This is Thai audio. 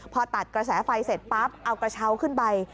พอตัดกระแสไฟเสร็จปั๊บเอากระเช้าขึ้นไป